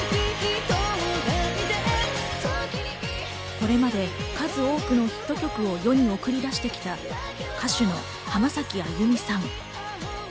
これまで数多くのヒット曲を世に送り出してきた歌手の浜崎あゆみさん。